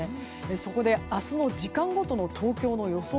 そこで明日の時間ごとの東京の予想